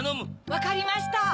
わかりました。